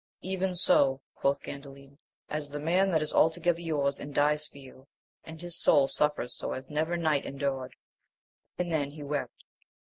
Even so, quoth Gandalin, as the man that is altogether yours, and dies for you, and his soul suffers so as never knight endured, and then he wept.